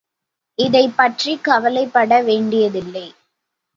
இதைப்பற்றிக் கவலைப்பட வேண்டியதில்லை.